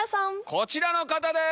こちらの方です！